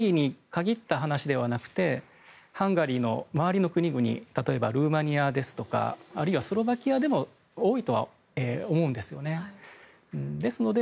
多いかもしれませんけどハンガリーに限った話ではなくてハンガリーの周りの国々例えばルーマニアですとかあるいはスロバキアでも多いとは思うんですよね。